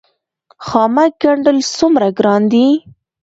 خامک ګنډل څومره ګران دي؟